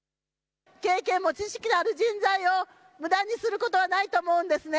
経験も知識もある人材を無駄にすることはないと思うんですね。